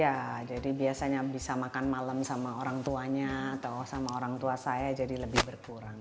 iya jadi biasanya bisa makan malam sama orang tuanya atau sama orang tua saya jadi lebih berkurang